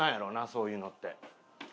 そういうのって。